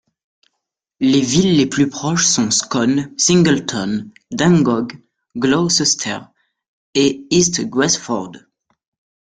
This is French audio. Les villes les plus proches sont Scone, Singleton, Dungog, Gloucester et East Gresford.